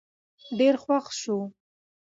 ډېر خوښ شو